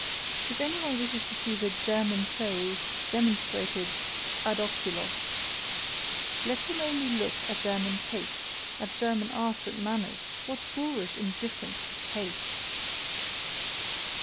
If any one wishes to see the "German soul" demonstrated ad oculos, let him only look at German taste, at German arts and manners what boorish indifference to "taste"!